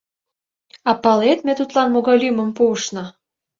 — А палет, ме тудлан могай лӱмым пуышна?